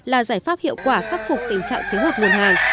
là giải pháp hiệu quả khắc phục tình trạng thiếu hụt nguồn hàng